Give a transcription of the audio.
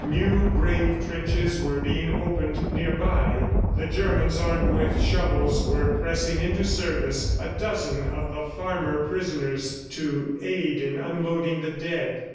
New grave trenches were being opened near by. The Germans armed with shovels were pressing into service a dozen of the farmer prisoners to aid in unloading the dead.